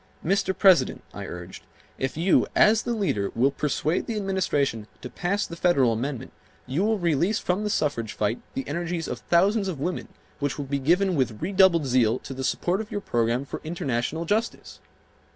"Mr. President," I urged, "if you, as the leader, will persuade the administration to pass the Federal Amendment you will release from the suffrage fight the energies of thousands of women which will be given with redoubled zeal to the support of your program for international justice."